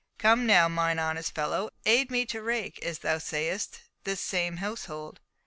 Come now, mine honest fellow, aid me to rake, as thou sayest, this same household.